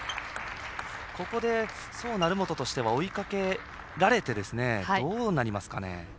ここで、宋、成本としては追いかけられてどうなりますかね？